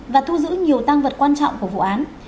và thu giữ nhiều tăng vật quan trọng của vụ án